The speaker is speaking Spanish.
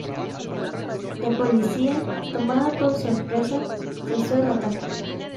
La policía, tomada por sorpresa, cesó el ataque.